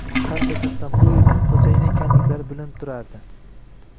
har jihatdan bu yerning xo‘jayini ekanliklari bilinib turar edi.